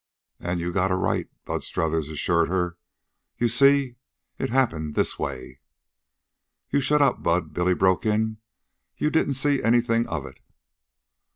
"An' you got a right," Bud Strothers assured her. "You see, it happened this way " "You shut up, Bud," Billy broke it. "You didn't see anything of it."